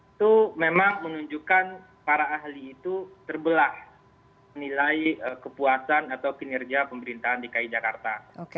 itu memang menunjukkan para ahli itu terbelah nilai kepuasan atau kinerja pemerintahan dki jakarta